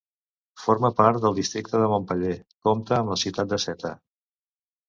Forma part del districte de Montpeller, compta amb la ciutat de Seta.